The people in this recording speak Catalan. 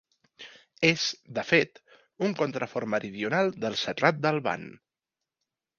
És, de fet, un contrafort meridional del Serrat del Ban.